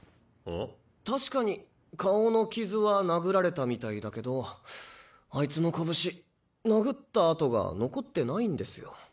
確かに顔のキズは殴られたみたいだけどあいつの拳殴った跡が残ってないんですよ。